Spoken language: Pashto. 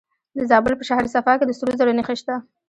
د زابل په شهر صفا کې د سرو زرو نښې شته.